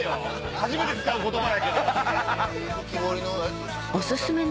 初めて使う言葉やけど。